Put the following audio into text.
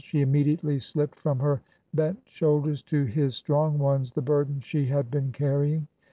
She immediately slipped from her bent shoulders to his strong ones the burden she had been carrying.